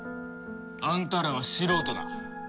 あんたらは素人だ。